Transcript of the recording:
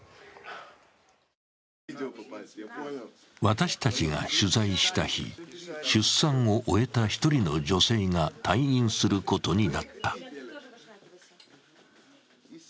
私たちが取材した日、出産を終えた１人の女性が退院することになった。